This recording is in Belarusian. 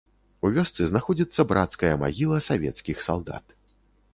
У вёсцы знаходзіцца брацкая магіла савецкіх салдат.